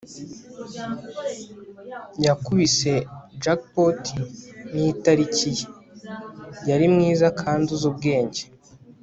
yakubise jackpot nitariki ye. yari mwiza kandi uzi ubwenge